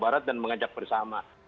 barat dan mengajak bersama